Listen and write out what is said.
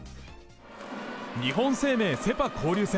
日本生命セ・パ交流戦。